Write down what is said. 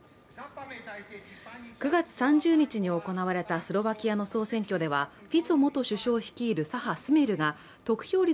９月３０日に行われたスロバキアの総選挙ではフィツォ元首相率いる左派スメルが得票率